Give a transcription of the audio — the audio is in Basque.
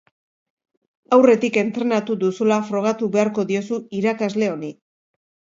Aurretik entrenatu duzula frogatu beharko diozu irakasle honi.